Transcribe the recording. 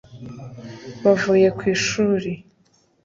bavuye ku ishuri